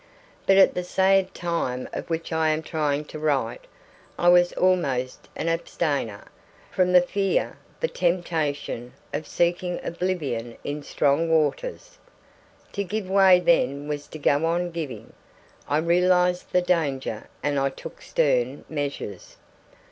But at the sad time of which I am trying to write, I was almost an abstainer, from the fear, the temptation of seeking oblivion in strong waters. To give way then was to go on giving way. I realized the danger, and I took stern measures.